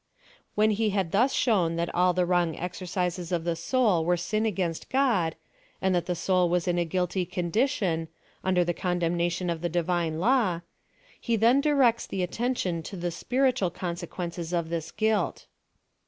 When he had thus shown that all the wronor exercises of the soul were sin against God, and that the soul was in a guilty condition, under the con demnation of the Divine law, he then directs the attention to the spiritual consequences of this guili.